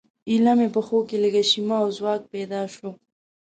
ایله مې پښو کې لږه شیمه او ځواک پیدا شو.